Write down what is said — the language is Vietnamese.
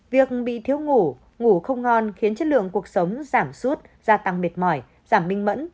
việc bị thiếu ngủ ngủ không ngon khiến chất lượng cuộc sống giảm sút gia tăng mệt mỏi giảm minh mẫn